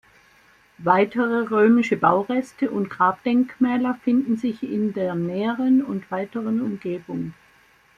Weitere römische Baureste und Grabdenkmäler finden sich in der näheren und weiteren Umgebung.